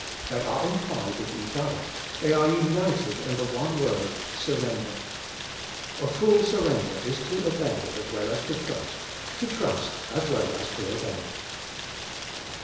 They are implied in each other; they are united in the one word — surrender. A full sur render is to obey as well as to trust, to trust as well as to obey.